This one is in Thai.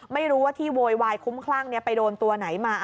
ไม่รู้ว่าที่โวยวายคุ้มคลั่งไปโดนตัวไหนมา